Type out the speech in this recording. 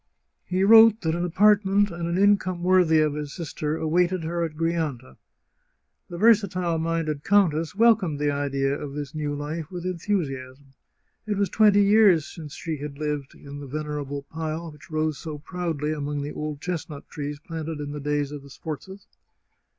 He wrote that an apartment and an income worthy of his sister awaited her at Grianta. The versatile minded countess welcomed the idea of this new life with enthusiasm. It was twenty years since she had lived in the venerable pile which rose so proudly among the old chestnut trees planted in the days of the Sforzas.